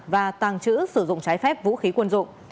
và tàng trữ sử dụng trái phép vũ khí quân dụng